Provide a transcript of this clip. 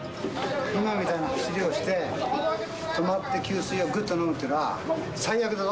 今みたいな走りをして、止まって給水をぐっと飲むっていうのは、最悪だぞ。